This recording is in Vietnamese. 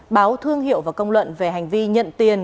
báo thương hiệu và công luận về hành vi nhận tiền